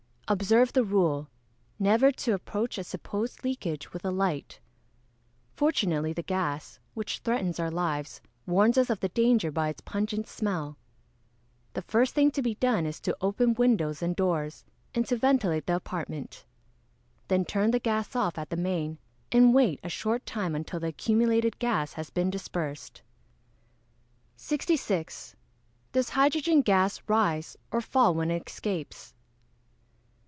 _ Observe the rule, never to approach a supposed leakage with a light. Fortunately the gas, which threatens our lives, warns us of the danger by its pungent smell. The first thing to be done is to open windows and doors, and to ventilate the apartment. Then turn the gas off at the main, and wait a short time until the accumulated gas has been dispersed. 66. _Does hydrogen gas rise or fall when it escapes?